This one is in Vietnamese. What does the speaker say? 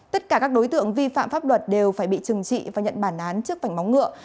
tất cả các đối tượng vi phạm pháp luật đều phải bị trừng trị và nhận bản án trước vảnh móng ngựa